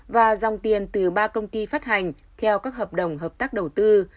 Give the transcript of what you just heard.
và dòng tiền từ ba công ty phát hành theo các hợp đồng hợp tác đầu tư